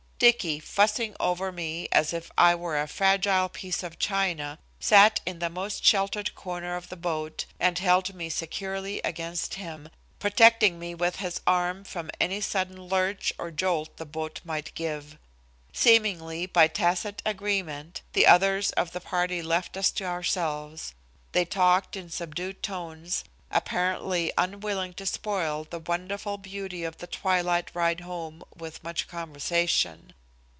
Dicky, fussing over me as if I were a fragile piece of china, sat in the most sheltered corner of the boat, and held me securely against him, protecting me with his arm from any sudden lurch or jolt the boat might give. Seemingly by a tacit agreement, the others of the party left us to ourselves. They talked in subdued tones, apparently unwilling to spoil the wonderful beauty of the twilight ride home with much conversation.